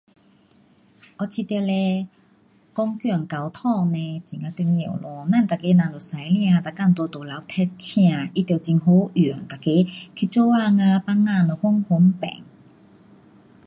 我觉得嘞，公共交通呢，很呐重要咯。咱每个人又驾车，每天在路上赛车，它要很好用，每个去做工啊，放工啊都方方便。